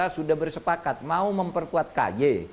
sudah bersepakat mau memperkuat kj